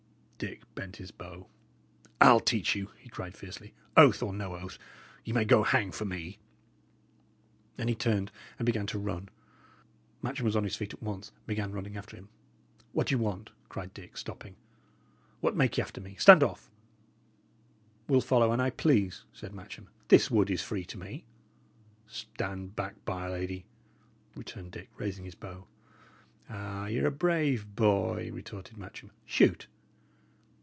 Dick bent his bow. "I'll teach you!" he cried, fiercely. "Oath or no oath, ye may go hang for me!" And he turned and began to run. Matcham was on his feet at once, and began running after him. "What d'ye want?" cried Dick, stopping. "What make ye after me? Stand off!" "Will follow an I please," said Matcham. "This wood is free to me." "Stand back, by 'r Lady!" returned Dick, raising his bow. "Ah, y' are a brave boy!" retorted Matcham. "Shoot!"